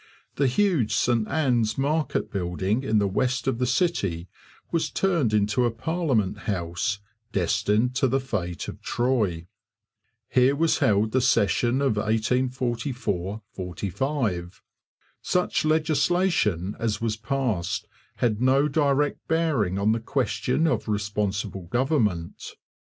The huge Ste Anne's market building in the west of the city was turned into a parliament house, destined to the fate of Troy. Here was held the session of 1844 45. Such legislation as was passed had no direct bearing on the question of responsible government.